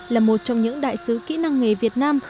là một trong những đại sứ kỹ năng nghề việt nam